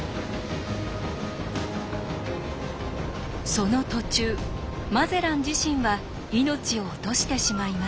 その途中マゼラン自身は命を落としてしまいます。